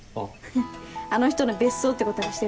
あの人の別荘ってことにしてんでしょ？